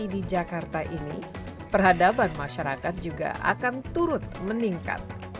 di jakarta ini peradaban masyarakat juga akan turut meningkat